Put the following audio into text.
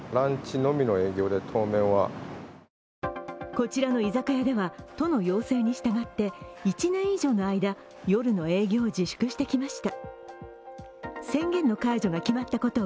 こちらの居酒屋では、都の要請に従って１年以上の間夜の営業を自粛してきました。